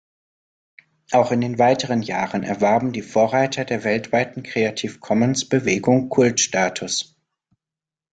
Auch in den weiteren Jahren erwarben die „Vorreiter der weltweiten Creative-Commons-Bewegung“ „Kultstatus“.